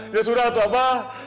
ya sudah apa